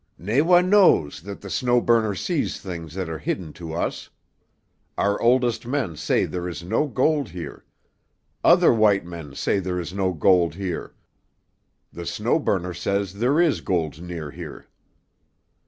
Nawa knows that the Snow Burner sees things that are hidden to us. Our oldest men say there is no gold here. Other white men say there is no gold here. The Snow Burner says there is gold near here.